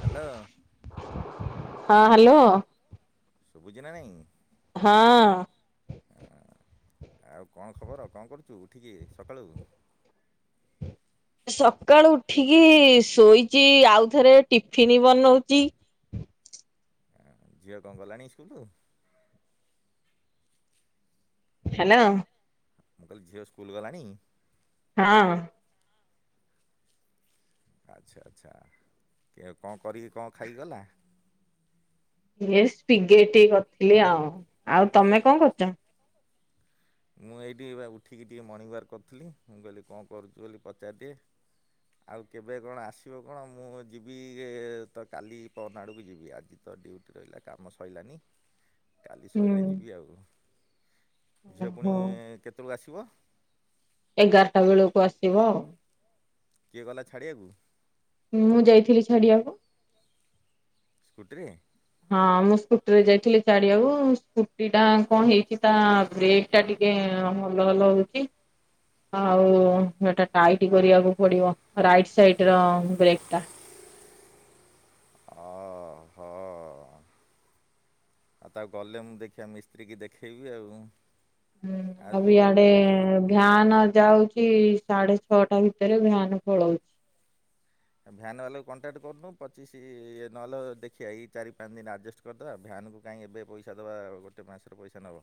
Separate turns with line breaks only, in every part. Hello
ହଁ hello
ଶୁଭୁଛି ନା ନାଇଁ
ହଁ
ହଁ ଆଉ କଣ ଖବର କଣ କରୁଛୁ ଉଠିକି ସକାଳୁ?
ସକାଳୁ ଉଠିକି ଶୋଇଚି ଆଉ ଥରେ ଟିଫିନ୍ ବନାଉଛି
ଝିଅ କଣ ଗଲାଣି ସ୍କୁଲରୁ?
ହାଲୋ
ମୁଁ କହିଲି ଝିଅ ସ୍କୁଲ ଗଲାଣି?
ହଁ
ଆଚ୍ଛା ଆଚ୍ଛା କଣ କରିକି କଣ ଖାଇଗଲା।?
[unintelligible] କରିଥିଲି ଆଉ ଆଉ ତମେ କଣ କରୁଛ?
ମୁଁ ଏଇଠି ଉଠିକି ଟିକେ ମର୍ଣିିୱର୍କ କରୁଥିଲି ମୁଁ କହିଲି କଣ କରୁଛି ବୋଲି ପଚାରିଦିଏ? ଆଉ କେବେ କଣ ଆସିବ କଣ ମୁଁ ଯିବି ଇଏ ତ କାଲି ପହର ଦିନ ଆଡ଼କୁ ଯିବି ଆଜି ତ ଡ୍ୟୁଟି ରହିଲା କାମ ସଇଲାନି କାଲି ସଇଲେ ଯିବି ଆଉ। ଝିଅ ପୁଣି
ଓହୋ
କେତେବେଳକୁ ଆସିବ?
ଏଗାରଟା ବେଳକୁ ଆସିବ ଆଉ।
କିଏ ଗଲା ଛାଡ଼ିବାକୁ?
ମୁଁ ଯାଇଥିଲି ଛାଡିବାକୁ।
ସ୍କୁଟିରେ
ହଁ ମୁଁ ସ୍କୁଟିରେ ଯାଇଥିଲି ଛାଡିବାକୁ ସ୍କୁଟି ଟା କଣ ହେଇଛି ତା ବ୍ରେକ୍ ସେଟା ଟିକେ ହଲ ହଲ ହଉଛି। ଆଉ ଏଟା ଟାଇଟ କରିବାକୁ ପଡିବ ରାଇଟ ସାଇଡ ର ବ୍ରେକ୍ ଟା।
ଅ ହ। ଆଉ ତାକୁ ଗଲେ ମୁଁ ଦେଖିବା ମିସ୍ତ୍ରୀ କି ଦେଖେଇବି ଆଉ।
ହୁଁ
ଆଉ
ଆ
ତୁ
ବି ଆଡେ ଭ୍ୟାନ ଯାଉଛି ସାଢେ ଛଅଟା ଭିତରେ ଭ୍ୟାନ ପଳଉଛି।
ଭ୍ୟାନ୍ ବାଲାକୁ କଣ୍ଟାକ୍ଟ କରୁନୁ ପଚିଶି ନହଲେ ଦେଖିବା ଏଇ ଚାରି ପାଞ୍ଚ ଦିନ ଆଡ଼ଜଷ୍ଟ କ କରିଦେବା ଭ୍ୟାନକୁ କାହିଁ ଏବେ ପଇସା ଦେବା ଗୋଟେ ମାସର ପଇସା ନେବ।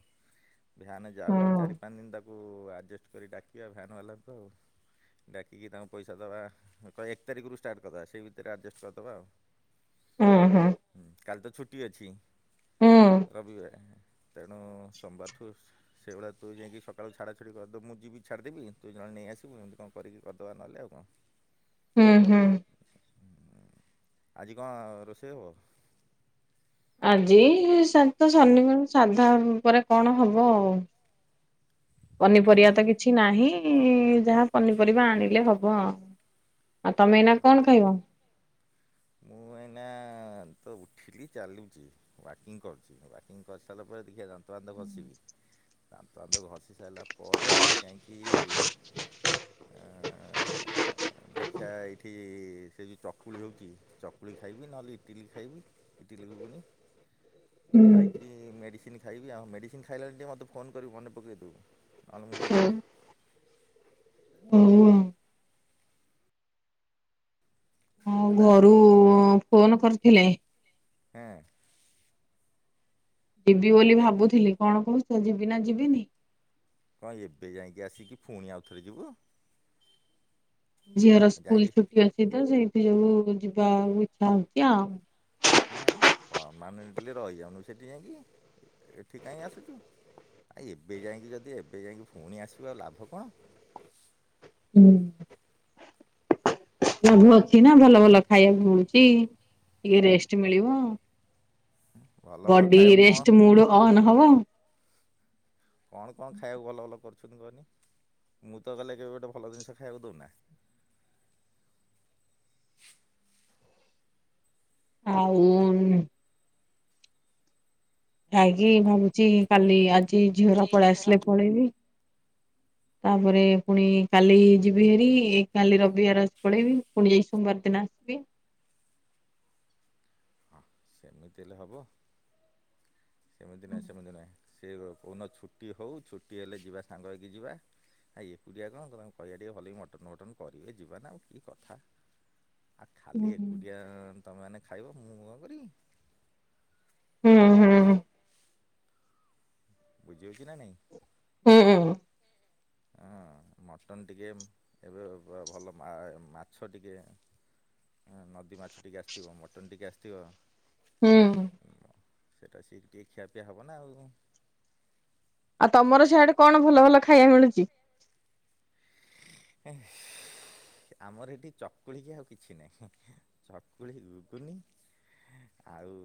ଭ୍ୟାନ
ହଁ
ଯାଉ ଆଉ ଚାରି ପାଞ୍ଚ ଦିନ ତାକୁ ଆଡ଼ଜଷ୍ଟ କରି ଡାକିବା ଭ୍ୟାନ୍ ବାଲାକୁ ଆଉ। ଡାକିକି ତାଙ୍କୁ ପଇସା ଦେବା କହେ ଏ ତାରିଖରୁ ଷ୍ଟାର୍ଟ କରିଦେବା ସେ ଭିତରେ ଆଡ଼ଜଷ୍ଟ କରିଦେବା ଆଉ।
ହଁ ହଁ।
ହୁଁ କାଲି ତ ଛୁଟି ଅଛି।
ହୁଁ
ରବିବାର ତେଣୁ ସୋମବାରଠୁ ସେଇଭଳି ତୁ ଯାଇକି ସକାଳୁ ଛାଡ଼ା ଛାଡ଼ି କରି ଦେବୁ ମୁଁ ଯିବି ଛାଡ଼ିଦେବି ତୁ ଜଣ ନେଇ ଆସିବୁ ଏମିତି କଣ କରିକି କରିଦେବା ନେଲେ ଆଉ କଣ?
ହୁଁ ହୁଁ।
ଆଜି କଣ ରୋଷେଇ ହବ?
ଆଜି ତ ଶନିିବାର ସାଧା ପରେ କଣ ହବ ଆଉ
ଟିଫିନି
ପନିପରିବା ତ କିଛି ନାହିଁ ଯାହା ପନିପରିବା ଆଣିଲେ ହବ। ଆଉ ତମେ ଏଇନା କଣ
ହଁ
ଖାଇବ?
ମୁଁ ଏଇନା ତ ଉଠିଲି ଚାଲୁଛି ୱାକିଂ କରୁଛି ୱାକିଂ କରିସାରିଲା ପରେ ଦେଖିଆ ଯାଆନ୍ତୁ ଦାନ୍ତଫାନ୍ତ ଘଷିବି ଦାନ୍ତଫାନ୍ତ ଘଷି ସାରିଲା ପରେ ଯାଇକି ଆ ଦେଖିବା ଏଇଠି ସେ ଯେଉଁ ଚକୁଳି ହେଉଛି ଚକୁଳି ଖାଇବି ନହେଲେ ଇଟିଲି ଖାଇବି ଇଟିଲି ଗୁଗୁନି,
ହୁଁ
ଖାଇକି ମେଡ଼ିସିନ ଖାଇବି ଆଉ ମେଡ଼ିସିନ ଖାଇଲାଣି ଟିକେ ମୋତେ ଫୋନ୍ କରିବି ମନେ ପକାଇ ଦବୁ। ଆଁ ମୁଁ ଭୁଲିଯିବି।
ହଉ ଆଉ। ହଁ
ହେଲା
ଘରୁ ଫୋନ କରିଥିଲେ।
ହେଁ।
ଯିବି ବୋଲି ଭାବୁଥିଲି କଣ କହୁଛ ଯିବି ନା ଯିବିନି?
କଣ ଏବେ ଯାଇକି ଆସିକି ପୁଣି ଆଉଥରେ ଯିବୁ?
ଝିଅର
ଯାଇଁକି
ସ୍କୁଲ ଛୁଟି ଅଛି ତ ସେଇଠି ସବୁ ଯିବା ଇଚ୍ଛା ହଉଛି ଆଉ।
ହଁ ପରମାନେଣ୍ଟଲି ରହିଯାଉନୁ ସେଠି ଯାଇକି ଏଠି କାହିଁ ଆସୁଛୁ। ଆ ଏବେ ଯାଇକି ଯଦି ଏବେ ଯାଇକି ପୁଣି ଆସିବୁ ଲାଭ କଣ?
ହୁଁ। ଲାଭୁ ଅଛି ନା ଭଲ ଭଲ ଖାଇବାକୁ ମିଳୁଛି ଟିକେ ରେଷ୍ଟ ମିଳିବ।
ଭଲ ଭଲ
ବଡି
ଖାଇବାକୁ କଣ
ରେଷ୍ଟ ମୁଡ୍ ଅନ୍ ହବ।
କଣ କଣ ଖାଇବାକୁ ଭଲ ଭଲ କରୁଛନ୍ତି କହନି। ମୁଁ ତ ଗଲେ କେବେ ଗୋଟେ ଭଲ ଜିନିଷ ଖାଇବାକୁ ଦେଉନା,
ଆଉ ଖାଇକି ଭାବୁଛି କାଲି ଆଜି ଝିଅ ପଳେଇ ଆସିଲେ ପଳେଇବି।
[inaudible]
ତାପରେ ପୁଣି କାଲି ଯିବି ହେରି କାଲି ରବିବାର ଅଛି ପଳେଇବି। ପୁଣି ଯାଇ ସୋମବାର ଦିନ ଆସିବି।
ହଁ ସେମିତି ହେଲେ ହେବ। ସେମିତି ନାହିଁ ସେମିତି ନାହିଁ ସେ କନ ଛୁଟି ହେଉ ଛୁଟି ହେଲେ ଯିବା ସାଙ୍ଗ ହେଇକି ଯିବା। ଆ ଏକୁଟିଆ କଣ ତମେ କହିବା ଟିକେ ଭଲି ମଟନ୍ ଫଟନ୍ କରିବେ ଯିବା ନା ଆଉ କି କଥା। ଆ
ହୁଁ
ଖାଲି ଏକୁଟିଆ ତମେମାନେ ଖାଇବ। ମୁଁ କଣ କରିବି?
ହୁଁ ହୁଁଁ
ବୁଝି ହଉଛି କି ନା ନାଇଁ।
ହୁଁ ହୁଁ
ହଁ ମଟନ୍ ଟିକେ ଏବେ ଭଲ ମା ମାଛ ଟିକେ। ହଁ ନଦୀ ମାଛ ଟିକେ ଆସିଥିବ ମଟନ୍ ଟିକିେ ଆସିଥିବ।
ହୁଁ
ସେଟା ସେଇଠି ଟିକେ ଖିଆ ପିଆ ହବ ନା ଆଉ
ଆ ତମର ସେଆଡେ କଣ ଭଲ ଭଲ ଖାଇବା ମିଳୁଚି।
ହ ଆମର ଏଠି ଚକୁଳିିକି ଆଉ କିଛି ନାହିଁ ଚକୁଳି ଗୁଗୁନୀ ଆଉ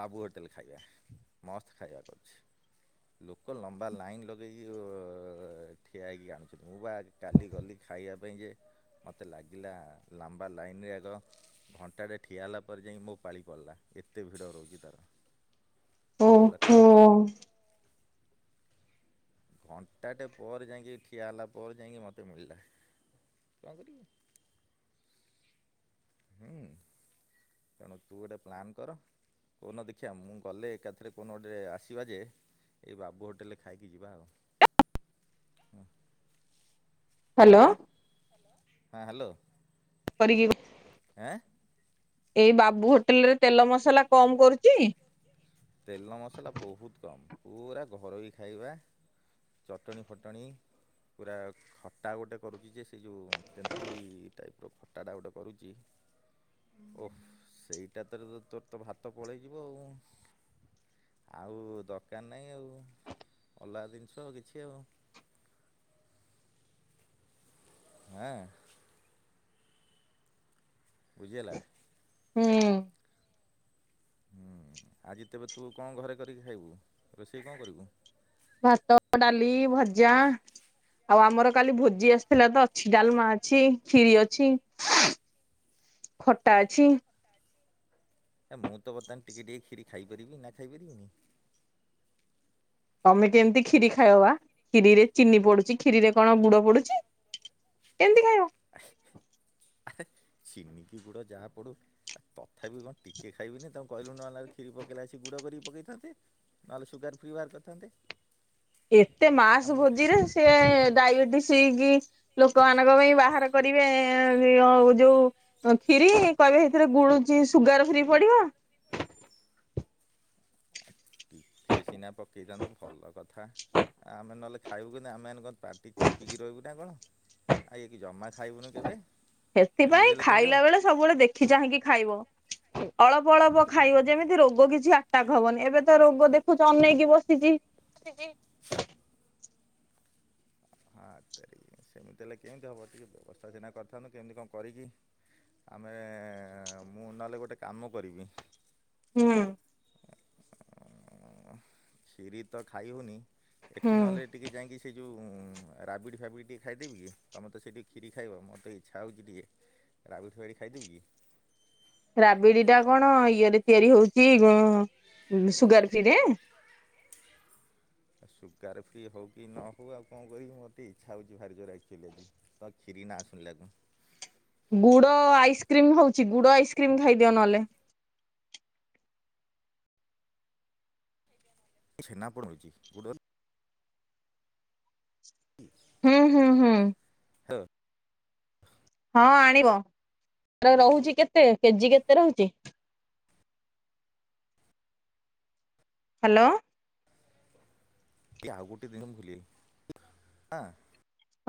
ବାବୁ ହୋଟେଲ ଖାଇବା ମସ୍ତ ଖାଇବା କରୁଛି। ଲୋକ ଲମ୍ବା ଲାଇନ୍ ଲଗାଇକି ଅ ଠିଆ ହେଇକି ଆଣୁଛନ୍ତି ମୁଁ ବା କାଲି ଗଲି ଖାଇବା ପାଇଁ ଯେ ମତେ ଲାଗିଲା ଲମ୍ବା ଲାଇନ୍ ରେ ଆଗ ଘଣ୍ଟାଟେ ଠିଆ ହେଲା ପରେ ଜାଇଁ କି ମୋ ପାଳି ପଡ଼ିଲା ଏତେ ଭିଡ଼ ରହୁଛି ତାର
ଓ
ସେଭଳିଆ
ହୋ
କରୁଛି ଘଣ୍ଟାଟେ ପରେ ଯାଇଁକି ଠିଆ ହେଲା ପରେ ଯାଇଁକି ମୋତେ ମିଳିଲା କଣ କରିମି। ହୁଁ। ତେଣୁ ତୁ ଗୋଟେ ପ୍ଲାନ୍ କର କଉନ ଦେଖିଆ ମୁଁ ଗଲେ ଏକାଥରେ କଉନ ଗୋଟେ ଆସିବା ଯେ ଏଇ ବାବୁ ହୋଟେଲରେ ଖାଇକି ଯିବା ଆଉ ହ
ହ୍ୟାଲୋ
ଆଁ ହଁ ହାଲୋ
କରିକି
ଆାଁ
ଏଇ ବାବୁ ହୋଟେଲ୍ ରେ ତେଲ ମସଲା କମ କରୁଛି।
ତେଲ ମସଲା ବହୁତ କମ୍ ପୁରା ଘରୋଇ ଖାଇବା ଚଟଣି ଫଟଣି ପୁରା ଖଟା ଗୋଟେ କରୁଛି ଯେ ସେ ଯୋଉ ତେନ୍ତୁଳି ଟାଇପ୍ ପୁରା ଖଟାଟା ଗୋଟେ କରୁଛି ଓହ ସେଇଟା ତ ତୋର ତ ଭାତ ପଳେଇଯିବ ଆଉ। ଆଉ ଦରକାର ନାହିଁ ଆଉ ଅଲଗା ଜିନିଷ କିଛି ଆଉ ହଁ। ବୁଝିହେଲା।
ହୁଁ।
ହୁଁ ଆଜି ତେବେ ତୁ କଣ ଘରେ କରିକି ଖାଇବୁ ରୋଷେଇ କଣ କରିବୁ?
ଭାତ ଡାଲି ଭଜା। ଆଉ ଆମର କାଲି ଭୋଜି ଆସିଥିଲା ତ ଅଛି ଡ଼ାଲମା ଅଛି କ୍ଷୀରି ଅଛି। ଖଟା ଅଛି।
ଏ ମୁଁ ତ ବର୍ତ୍ତ ଟିକେ ଟିକେ କ୍ଷୀରି ଖାଇପାରିବି ନା ଖାଇପାରିବିନି?
ତମେ କେମିତି କ୍ଷୀରି ଖାଇବ ବା କ୍ଷୀରିରେ ଚିନି ପଡୁଛିଖିରିରେ କଣ ଗୁଡ଼ ପଡୁଛି କେମିତି ଖାଇବ?
ନିକି ଗୁଡ ଯାହା ପଡୁ ଆ ତଥାପି କଣ ଟିକେ ଖାଇବିନି ତାକୁ କହିଲୁ ନହେଲେ କ୍ଷୀରି ପକେଇଲା ଆସି ଗୁଡ଼ କରିକି ପକେଇ ଥାନ୍ତେ। ନହେଲେ ସୁଗାର ଫ୍ରି ବାହାର କରିଥାନ୍ତେ।
ଏତେ ମାସ
ଆମକୁ
ଭୋଜିରେ ସିଏ ଡାଇବେଟିସ କି ଲୋକ ମାନଙ୍କ ପାଇଁ ବାହାର କରିବେ ଯୋଉ ତ ଖୀରି କହିବେ ଏଥିରେ ଗୁଡୁଚି ସୁଗାର ଫ୍ରି ପଡିବ।
ଟିକଏ ସିନା ପକେଇଥାନ୍ତୁ ଭଲ କଥା ଆମେ ନହେଲେ ଖାଇବୁ କିନ୍ତୁ ଆମେମାନେେ କଣ ପାଟି ଚିପିକି ରହିବୁ ନା କଣ ଆଉ ଇଏ କି ଜମା ଖାଇବୁନୁ କେବେ
ସେଥିପାଇଁ
ଏମିତି ହେଲେ କେମିତି
ଖାଇଲା
ହବ।
ବେଳେ ସବୁବେଳେ ଦେଖି ଚାହିଁକି ଖାଇବ। ଅଳପ ଅଳପ ଖାଇବ ଯେମିତି ରୋଗ କିଛି ଆଟାକ୍ ହବନି ଏବେ ତ ରୋଗ ଦେଖୁଛ ଅନେଇକି ବସିଛି।
ହେ ହେ। [unintelligible] ସେମିତି ହେଲେ କେମିତି ହବ ଟିକେ ବ୍ୟବସ୍ଥା ସିନା କରିଥାନ୍ତୁ କେମିତି କଣ କରିକି ଆମେ ମୁଁ ନହଲେ ଗୋଟେ କାମ କରିବି।
ହୁଁ।
କ୍ଷିରି ତ ଖାଇ ହଉନି ଏଠି
ହୁଁ
ନହେଲେ ଟିକେ ଯାଇଁକି ସେ ଯେଉଁ ରାବିଡ଼ି ଫାବିଡ଼ି ଟିକେଏ ଖାଇଦେବି କି ତମେ ତ ସେଟି କ୍ଷୀରି ଖାଇବ ମୋତେ ଇଚ୍ଛା ହେଉଛି ଟିକେ। ରାବିଡି ଫାବିଡି ଖାଇଦେବି କି?
ରାବିଡି ଟା କଣ ଇଏରେ ତିଆରି ହଉଛି ସୁଗାର ଫ୍ରିରେ।
ଆଉ ସୁଗାର ଫ୍ରି ହଉ କି ନ ହେଉ ଆଉ କଣ [unintelligible] ମୋର ଟିକେ ଇଚ୍ଛା ହେଉଛି ଭାରି ଜୋରେ ଆକ୍ଚୁଆଲି ଆଜି ତ କ୍ଷୀରି ନାଁ ଶୁଣିଲାରୁ।
ଗୁଡ଼ ଆଇସ୍କ୍ରିମ ହଉଚି ଗୁଡ଼ ଆଇସ୍କ୍ରିମ ଖାଇଦିଅ ନହେଲେ।
ଛେନାପୋଡ ହୋଉଚି ଗୁଡର [inaudible]
ହୁଁ ହୁଁ ହୁଁ।
ହଁ।
ହଁ ଆଣିବ ହେରା ରହୁଚି କେତେ କେଜି କେତେ ରହୁଚି? ହ୍ୟାଲୋ।
କି ଆଉ ଗୋଟେ ଦିନ ମୁଁ [unintelligible] ଖଲି ହଁ [unintelligible]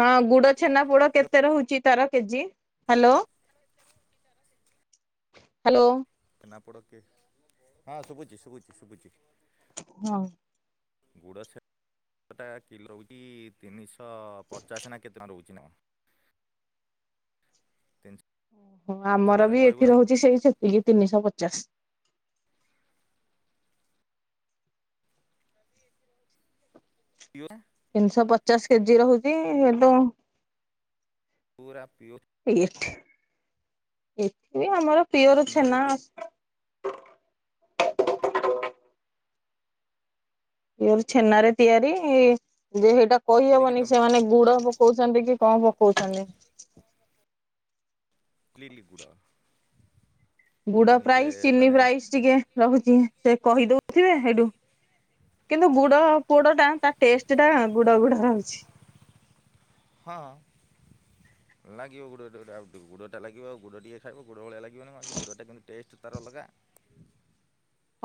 ହଁ ଗୁଡ଼ ଛେନା ପୋଡ଼
ହ୍ୟାଲୋ
କେତେ ରହୁଚି ତାର KG hello? Hello.
Chhena poda କେ ହଁ ଶୁଭୁଚି ଶୁଭୁଚି ଶୁଭୁଚି।
ହଉ।
ଗୁଡ଼ ସେ ଟା କିଲୋ ହଉଚି ତିନିଶହ ପଚାଶ ନା କେତେ ଟଙ୍କା ରହୁଚି ନା କଣ। ତିନିସ
ଓ ଆମର ବି ଏଠି ରହୁଚି ସେଇ ସେତିକି ତିନିଶହ ପଚାଶ।
[unintelligible]
ତିନିଶହ ପଚାଶ କେଜି ରହୁଛି ହେଦୁ
ପୁରା ପିଓର।
ଏଠି ଏଠି ଆମର ପିଓର
ଛେନାରେ
ଛେନା।
ତିଆରି
ପିଓର ଛେନାରେ ତିଆରି ଯେ ସେଇଟା
କରିକି
କହିହବନି
ତମେ
ସେମାନେ ଗୁଡ ପକଉଛନ୍ତି କି କଣ ପକଉଛନ୍ତି।
କ୍ଲିଲି ଗୁଡ଼। ମୁଁ
ଗୁଡ
ନିଜେ
ପ୍ରାଇସ୍ ଚିନି
ମାନେ
ପ୍ରାଇସ୍ ଟିକେ ରହୁଛି ସେ କହିଦଉଥିବେ ସେଇଠୁ କିନ୍ତୁ ଗୁଡ ପୋଡ ଟା ତା ଟେଷ୍ଟ ଟା ଗୁଡ ଗୁଡ ରହୁଛି।
ହଁଁ ଲାଗିବ ଗୁଡ଼ ଗ ଗୁଡ଼ଟା ଲାଗିବ ଆଉ ଗୁଡ଼ ଟିକଏ ଖାଇବ ଗୁଡ଼ ଭଳିଆ ଲାଗି ବନି ଗୁଡ଼ଟା କିନ୍ତୁ ଟେଷ୍ଟ ତାର ଅଲଗା।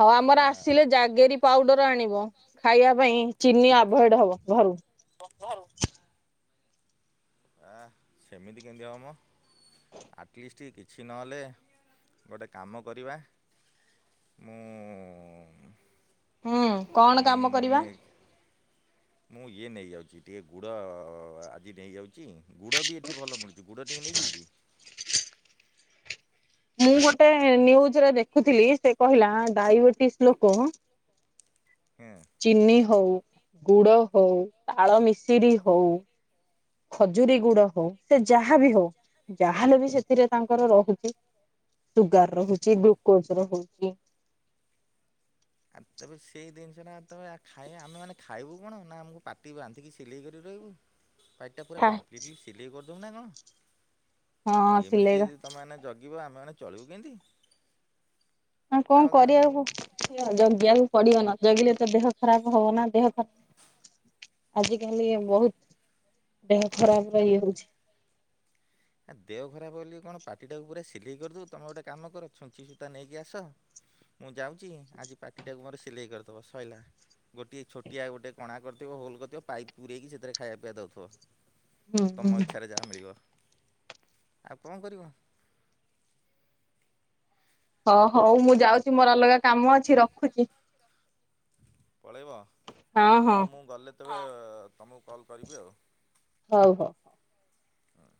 ହଉ
ନା
ଆମର ଆସିଲେ ଜାଗେରୀ ପାଉଡର ଆଣିବ ଖାଇବା ପାଇଁ ଚିନି ଆଭଏଡ ହବ ଘରୁ।
ଘ୍ ଘରୁ। ଆ ସେମିତି କେମିତି ହବ ମ। ଆଟଲିଷ୍ଟ କିଛି ନହେଲେ ଗୋଟେ କାମ କରିବା। ମୁଁ।
ହୁଁ କଣ କାମ କରିବା?
ମୁଁ ଇଏ ନେଇଯାଉଛି ଟିକେ ଗୁଡ଼ ଆଜି ନେଇଯାଉଚି ଗୁଡ଼ ବି ଏଠି ଭଲ ମିଳୁଚି ଗୁଡ଼ ଟିକେ ନେଇଯିବି କି?
ମୁଁ ଗୋଟେ ନିଉଜୁରେ ଦେଖୁଥିଲି ସେ କହିଲା ଡାଇବେଟିସ୍ ଲୋକ
ହଁ।
ଚିନି ହଉ ଗୁଡ ହଉ ତାଳ ମିଶିରି ହଉ ଖଜୁରୀ ଗୁଡ ହଉ ସେ ଯାହା ବି ହଉ ଯାହାହେଲେ ବି ସେଥିରେ ତାଙ୍କର ରହୁଚି। ସୁଗାର ରହୁଚି ଗ୍ଲୁକୋଜ ରହୁଚି।
ଆଉ ତେବେ ସେଇ ଜିନିଷ ଟା ତ ଖାଇଆ ଆମେ ମାନେ ଖାଇବୁ କଣ ନା ଆମକୁ ପାଟି ବାନ୍ଧିକି ସିଲେଇ କରି ରହିବୁ। ପାଇଟ ଟା ପୁରା କମ୍ପ୍ଲିଟଲି ସିଲେଇ କରିଦେବୁ ନା କଣ
ହଁ
ଏମିତି
ସିଲେଇବା
ତମମାନେ ଜଗିବ ଆମେମାନେ ଚଳିବୁ କେମିତି।
ନା କଣ
ତାପରେ
କରିବାକୁ ଜଗିବାକୁ ପଡିବ ନ ଜଗିଲେ ତ ଦେହ ଖରାପ ହବ ନା ଦେହ ଖରା ଆଜିକାଲି ବୋହୁତ୍ ଦେହ ଖରାପେ ରେ ଇ ଏ ହୋଉଚି।
ଆ ଦେହ ଖରାପ ବୋଲି କଣ ପାଟିଟାକୁ ପୁରା ସିଲେଇ କରିଦବୁ ତମେ ଗୋଟେ କାମ କର ଛୁଞ୍ଚି ସୂତା ନେଇକି ଆସ। ମୁଁ ଯାଉଚି ଆଜି ପାଟିଟାକୁ ମୋର ସିଲେଇ କରିଦବ ସଇଲା। ଗୋଟିଏ ଛୋଟିଆ ଗୋଟେ କଣା କରିଥିବ ହୋଲ କରିଥିବ ପାଇପ୍ ପୁରେଇକି ସେଥିରେ ଖାଇବା ପିଇବା ଦଉଥିବ।
ହୁଁ
ତମ
ହୁଁ।
ଇଚ୍ଛାରେ ଯାହା ମିଳିବ। ଆଉ କଣ କରିବ।
ହଁ ହଉ ମୁଁ ଯାଉଚି ମୋର ଅଲଗା କାମ ଅଛି ରଖୁଚି।
ପଳେଇବ ହଁ ମୁଁ ଗଲେ ତୁ ତମକୁ କଲ୍ କରିବି ଆଉ।
ହଉ ହଉ।
ହଁ